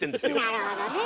なるほどね。